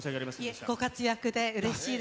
いえ、ご活躍でうれしいです。